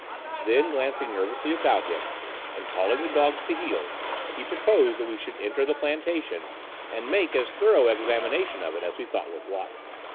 Then, glancing nervously about him, and calling the dogs to heel, he proposed that we should enter the plantation and make as thorough examination of it as we thought worth while.